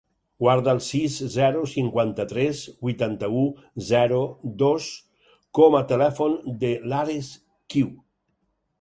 Guarda el sis, zero, cinquanta-tres, vuitanta-u, zero, dos com a telèfon de l'Ares Qiu.